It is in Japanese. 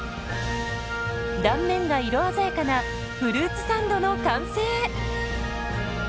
断面が色鮮やかなフルーツサンドの完成。